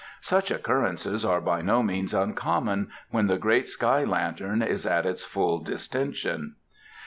Such occurrences are by no means uncommon when the great sky lantern is at its full distension."